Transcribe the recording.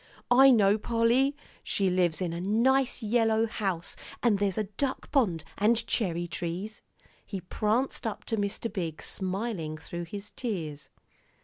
"I know, Polly. She lives in a nice yellow house, and there's a duck pond, and cherry trees." He pranced up to Mr. Biggs, smiling through his tears.